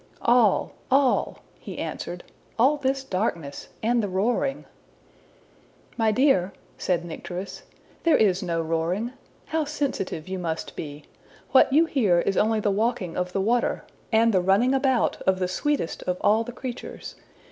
``All, all,'' he answered; ``all this darkness and the roaring.'' ``My dear,'' said Nycteris, ``there is no roaring. How sensitive you must be! What you hear is only the walking of the water, and the running about of the sweetest of all the creatures.